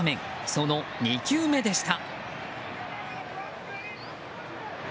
その２球目でした。